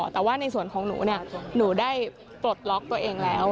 แต่ว่าในส่วนของหนูหนูได้ปลดล็อกตัวเองแล้ว